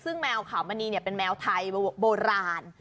ซึ่งแมวขาวมณีเป็นแมวไทยโบราณ